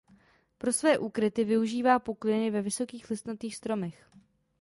Pro své úkryty využívá pukliny ve vysokých listnatých stromech.